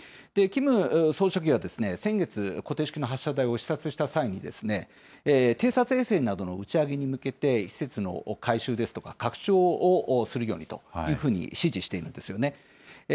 キム総書記は、先月、固定式の発射台を視察した際に、偵察衛星などの打ち上げに向けて、施設の改修ですとか拡張をするようにというふうに指示しているんですよね。